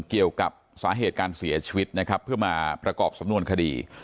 เกี่ยวกับสาเหตุการเสียชีวิตนะครับเพื่อมาประกอบสำนวนคดี